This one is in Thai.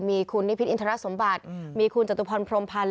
มีคุณนิพิษอินทรสมบัติมีคุณจตุพรพรมพันธ์